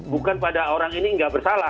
bukan pada orang ini nggak bersalah